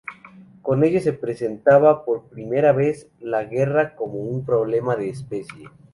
Con ello se presentaba por primera vez la guerra como un problema de especie.